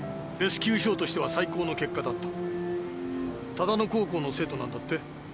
唯野高校の生徒なんだって？